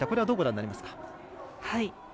どうご覧になりますか。